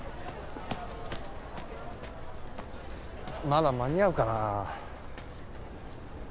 まだ間に合うかな？